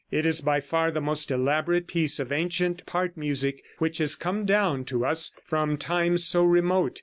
It is by far the most elaborate piece of ancient part music which has come down to us from times so remote.